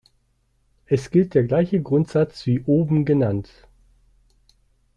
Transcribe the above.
Es gilt der gleiche Grundsatz wie oben genannt.